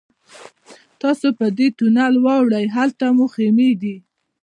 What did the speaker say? تاسو په دې تونل ورواوړئ هلته مو خیمې دي.